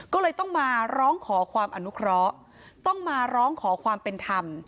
ก็เลยต้องมาร้องขอความอนุเคราะห์ต้องมาร้องขอความเป็นธรรม